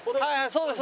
そうです。